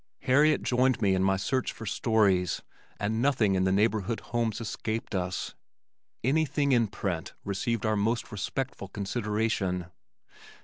Harriet joined me in my search for stories and nothing in the neighborhood homes escaped us. Anything in print received our most respectful consideration.